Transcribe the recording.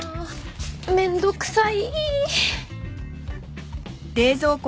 面倒くさい！